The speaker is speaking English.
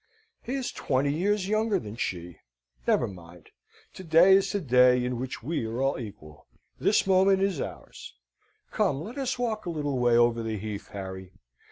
He is twenty years younger than she. Never mind. To day is to day in which we are all equal. This moment is ours. Come, let us walk a little way over the heath, Harry.